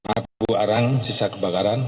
akuarang sisa kebakaran